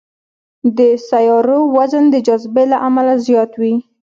د سیارو وزن د جاذبې له امله زیات وي.